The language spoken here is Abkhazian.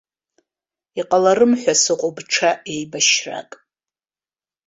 Иҟаларым ҳәа сыҟоуп ҽа еибашьрак.